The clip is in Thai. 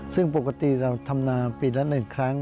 ซึ่งปกติเราทำนาปีละ๑ครั้ง